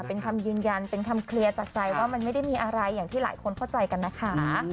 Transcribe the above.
เป็นคำยืนยันเป็นคำเคลียร์จากใจว่ามันไม่ได้มีอะไรอย่างที่หลายคนเข้าใจกันนะคะ